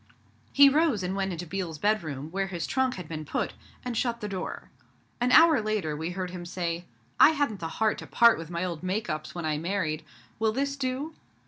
He rose and went into Biel's bedroom, where his trunk had been put, and shut the door. An hour later, we heard him say, 'I hadn't the heart to part with my old make ups when I married. Will this do?'